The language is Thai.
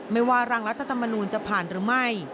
ไม่ว่าร่างรัฐธรรมนูลจะผ่านหรือไม่